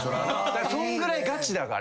そんぐらいガチだから。